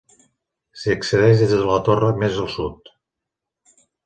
S'hi accedeix des de la torre més al sud.